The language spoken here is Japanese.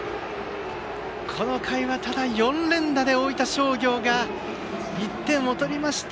ただ、この回は４連打で大分商業が１点を取りました。